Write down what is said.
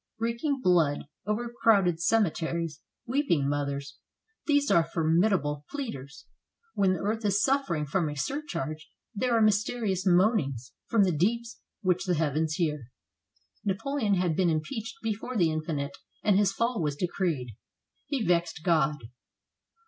Reeking blood, overcrowded cemeteries, weeping mothers, — these are formidable pleaders. When the earth is suffer ing from a surcharge, there are mysterious moanings from the deeps which the heavens hear. 371 FRANCE Napoleon had been impeached before the infinite and his fall was decreed. He vexed God.